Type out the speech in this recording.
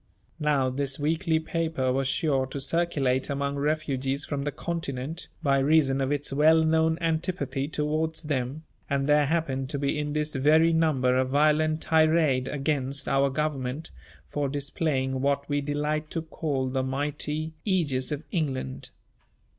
Now this weekly paper was sure to circulate among refugees from the continent, by reason of its well known antipathy towards them; and there happened to be in this very number a violent tirade against our Government for displaying what we delight to call the mighty Ægis of England.